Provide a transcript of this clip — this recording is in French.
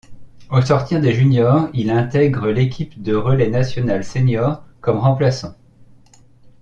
Au sortir des juniors, il intègre l'équipe de relais national seniors comme remplaçant.